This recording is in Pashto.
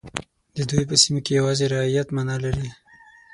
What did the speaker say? د دوی په سیمو کې یوازې رعیت معنا لري.